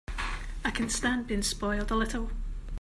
I can stand being spoiled a little.